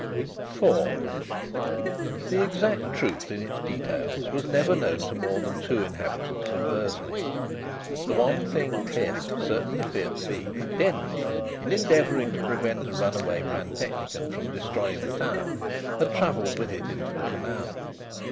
IV The exact truth in its details was never known to more than two inhabitants of Bursley. The one thing clear certainly appeared to be that Denry, in endeavouring to prevent a runaway pantechnicon from destroying the town, had travelled with it into the canal.